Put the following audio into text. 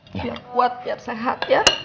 tiap kuat tiap sehat ya